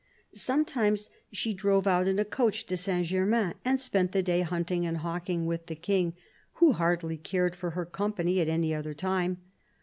Sometimes she drove out in a coach to Saint Germain, and spent the day hunting and hawking with the King, who hardly cared for her company at any other time.